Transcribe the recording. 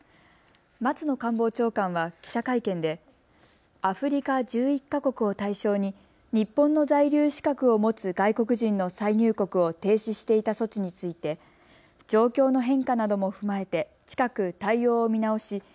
松野官房長官は記者会見でアフリカ１１か国を対象に日本の在留資格を持つ外国人の再入国を停止していた措置について状況の変化なども踏まえて近く対応を見直し